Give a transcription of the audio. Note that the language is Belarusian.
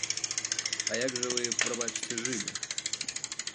А як жа вы, прабачце, жылі?